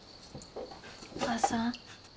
お母さん。